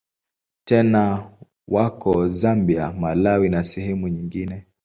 Tena wako Zambia, Malawi na sehemu nyingine.